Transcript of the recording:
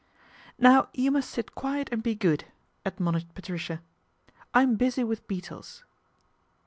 " Now you must sit quiet and be good," admonished Patricia. " I'm busy with beetles."